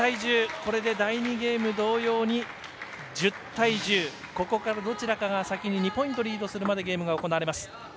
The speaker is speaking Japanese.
これで第２ゲーム同様に１０対１０、ここからどちらかが先に先に２ポイントリードするまでゲームが行われます。